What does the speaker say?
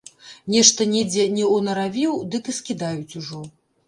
Нешта недзе не ўнаравіў, дык і скідаюць ужо.